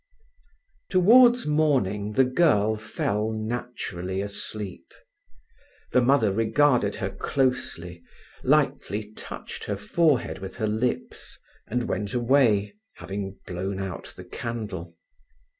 Towards morning the girl fell naturally asleep. The mother regarded her closely, lightly touched her forehead with her lips, and went away, having blown out the candle.